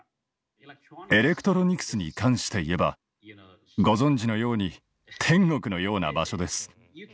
エレクトロニクスに関して言えばご存じのように天国のような場所です。